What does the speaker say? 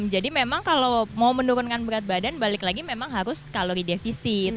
jadi memang kalau mau menurunkan berat badan balik lagi memang harus kalori defisit